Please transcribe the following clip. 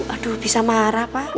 aduh bisa marah pak